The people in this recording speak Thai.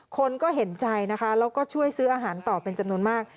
คนก็เห็นใจนะคะแล้วก็ช่วยซื้ออาหารต่อเป็นจำนวนมาก